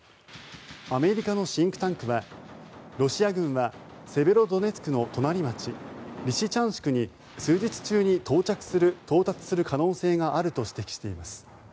アメリカのシンクタンクはロシア軍はセベロドネツクの隣町リシチャンシクに数日中に到達する可能性があると指摘しています。